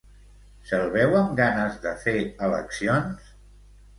Se'l veu amb ganes de fer eleccions?